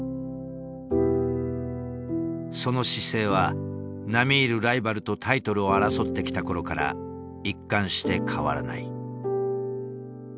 その姿勢は並み居るライバルとタイトルを争ってきた頃から一貫して変わらない。